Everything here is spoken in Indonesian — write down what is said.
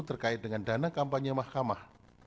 terkait dengan dana kampanye mahkamah